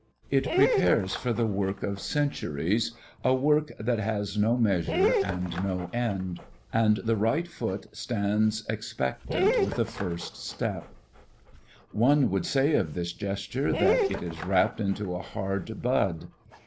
It prepares for the work of centuries, a work that has no measure and no end. And the right foot stands expectant with a first step. One would say of this gesture that it is wrapped into a hard bud.